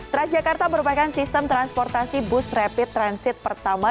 transjakarta merupakan sistem transportasi bus rapid transit pertama